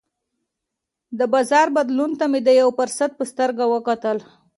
د بازار بدلون ته مې د یوه فرصت په سترګه وکتل.